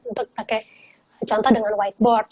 untuk pakai contoh dengan whiteboard